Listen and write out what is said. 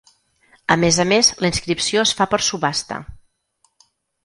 A més a més la inscripció es fa per subhasta.